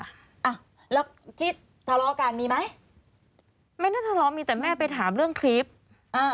อ้าวแล้วที่ทะเลาะกันมีไหมไม่น่าทะเลาะมีแต่แม่ไปถามเรื่องคลิปอ่า